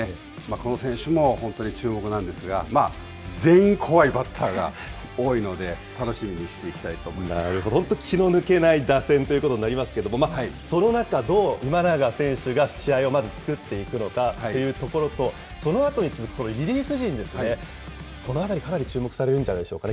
この選手も本当に注目なんですが、全員怖いバッターが多いので、楽本当、気の抜けない打線ということになりますけれども、その中、どう今永選手が試合をまず作っていくのかというところと、そのあとに続くリリーフ陣ですね、このあたりかなり注目されるんじゃないでしょうかね。